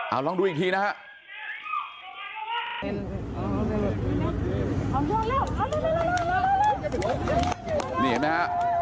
อ้าวลองดูอีกทีนะ